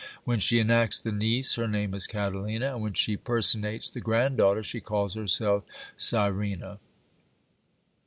When she enacts the niece, her name is Catalina ; and when she personates the grand daughter, she calls herself Sirena.